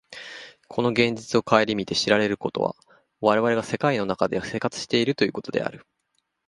この現実を顧みて知られることは、我々が世界の中で生活しているということである。